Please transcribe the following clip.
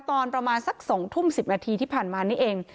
ตอนประมาณสัก๒ทุ่ม๑๐นาทีที่ผ่านมานี่เอง